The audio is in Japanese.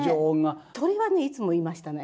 鳥はねいつもいましたね。